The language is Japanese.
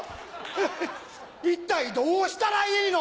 えっ一体どうしたらいいの？